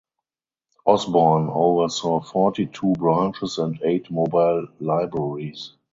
Osborne oversaw forty two branches and eight mobile libraries.